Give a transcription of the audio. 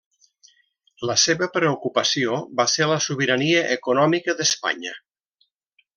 La seva preocupació va ser la sobirania econòmica d'Espanya.